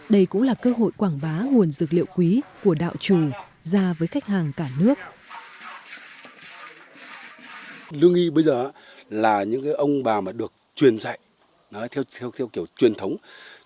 đây cũng là cơ hội quảng bá nguồn dược liệu quý của đạo trù ra với khách hàng cả nước